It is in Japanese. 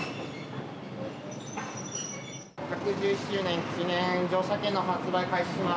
１１１周年記念乗車券の発売を開始します。